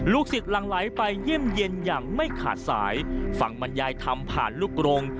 ลูกศิษย์หลังไหลไปเยี่ยมเย็นอย่างไม่ขาดสายฟังบรรยายธรรมผ่านลูกรง